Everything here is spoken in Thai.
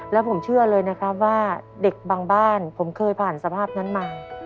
แล้วผมเชื่อเลยนะครับว่าเด็กบางบ้านผมเคยผ่านสภาพนั้นมา